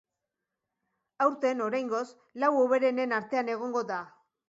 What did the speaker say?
Aurten, oraingoz, lau hoberenen artean egongo da.